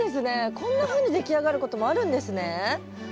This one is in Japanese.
こんなふうにでき上がることもあるんですね。